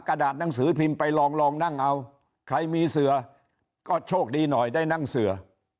ก็โชคดีหน่อยได้นั่งเสือ